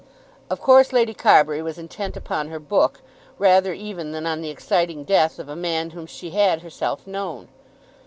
Of course Lady Carbury was intent upon her book, rather even than on the exciting death of a man whom she had herself known.